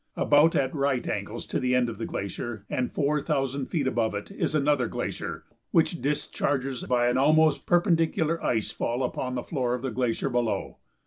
About at right angles to the end of the glacier, and four thousand feet above it, is another glacier, which discharges by an almost perpendicular ice fall upon the floor of the glacier below.